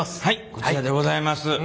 こちらでございます。